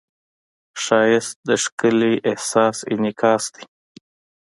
ښایست د ښکلي احساس انعکاس دی